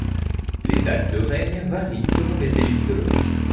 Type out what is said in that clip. Les dates de règne varient selon les égyptologues.